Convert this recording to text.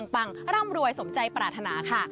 ปังร่ำรวยสมใจปรารถนาค่ะ